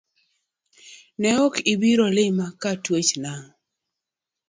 Ne ok ibiro lima katuech nango?